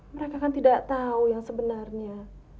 mereka kan tidak tahu yang sebenarnya